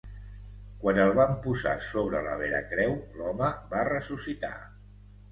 Quan el van posar sobre la Veracreu l'home va ressuscitar.